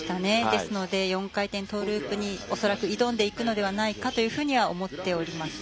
ですので、４回転トーループに恐らく挑んでいくのではないかと思っております。